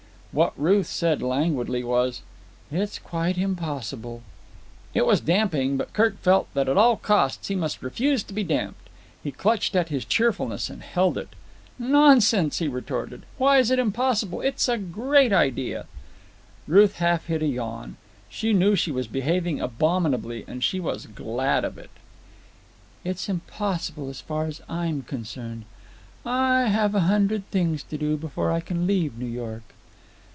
What Ruth said languidly was: "It's quite impossible." It was damping; but Kirk felt that at all costs he must refuse to be damped. He clutched at his cheerfulness and held it. "Nonsense," he retorted. "Why is it impossible? It's a great idea." Ruth half hid a yawn. She knew she was behaving abominably, and she was glad of it. "It's impossible as far as I'm concerned. I have a hundred things to do before I can leave New York."